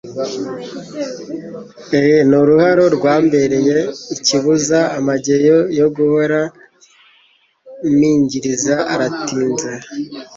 Ni uruharo rwambereye ikibuza, Amage yo guhora mpingiriza arantinza.